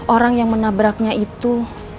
orang yang menabraknya itu